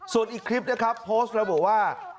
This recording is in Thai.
ส่วนอีกคลิปนะครับโพสต์ระบุว่า